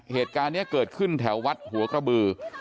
เหตุการณ์นี้เกิดขึ้นแถววัดหัวกระบือ